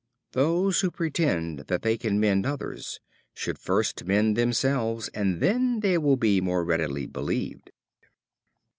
Those who pretend that they can mend others should first mend themselves, and then they will be more readily believed.